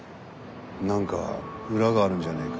何か裏があるんじゃねえか？